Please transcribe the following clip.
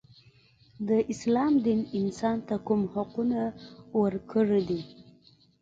د اسلام دین انسان ته کوم حقونه ورکړي دي.